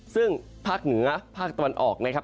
ซึ่งภาคเหนือภาคตะวันออกนะครับ